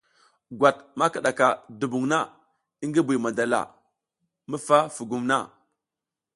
Gwat ma kiɗaka dumbuŋ na i ngi Buy madala mi fa fugum na.